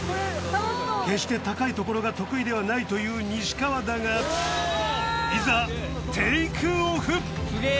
決して高い所が得意ではないという西川だがいざ・スゲエ！